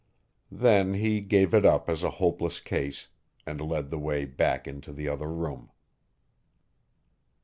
Then he gave it up as a hopeless case and led the way back into the other room.